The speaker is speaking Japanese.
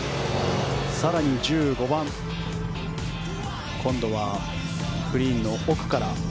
更に１５番今度はグリーン奥から。